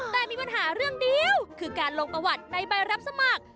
แต่มีปัญหาเรื่องเดียวคือการลงประวัติในใบรับสมัคร